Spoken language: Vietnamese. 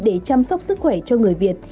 để chăm sóc sức khỏe cho người việt